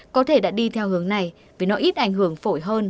có thể đã đi theo hướng này vì nó ít ảnh hưởng phổi hơn